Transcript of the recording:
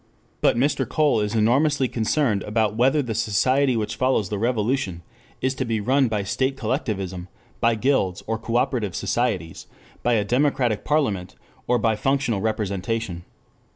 But Mr. Cole is enormously concerned about whether the society which follows the revolution is to be run by state collectivism, by guilds or cooperative societies, by a democratic parliament or by functional representation.